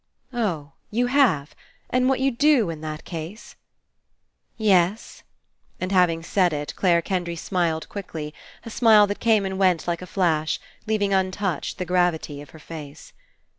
"Oh! You have! And what you'd do In that case?" "Yes." And having said it, Clare Ken dry smiled quickly, a smile that came and went like a flash, leaving untouched the gravity of her face.